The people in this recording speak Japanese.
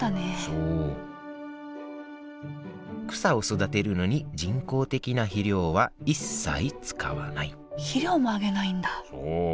そう草を育てるのに人工的な肥料は一切使わない肥料もあげないんだそう！